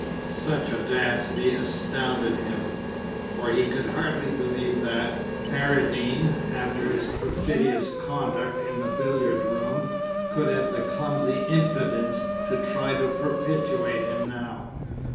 Such audacity astonished him, for he could hardly believe that Paradine, after his perfidious conduct in the billiard room, could have the clumsy impudence to try to propitiate him now.